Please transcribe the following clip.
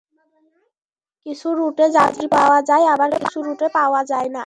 কিছু রুটে যাত্রী পাওয়া যায়, আবার কিছু রুটে পাওয়া যায় না।